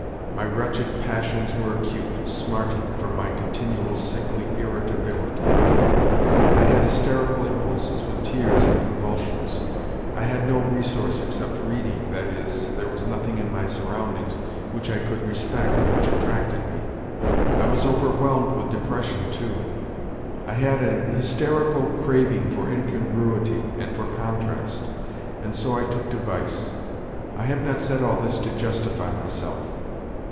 My wretched passions were acute, smarting, from my continual, sickly irritability. I had hysterical impulses, with tears and convulsions. I had no resource except reading, that is, there was nothing in my surroundings which I could respect and which attracted me. I was overwhelmed with depression, too ; I had an hysterical craving for incongruity and for contrast, and so I took to vice. I have not said all this to justify myself.